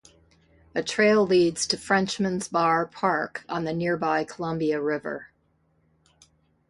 A trail leads to Frenchman's Bar Park on the nearby Columbia River.